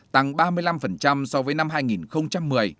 tăng ba mươi năm so với năm hai nghìn một mươi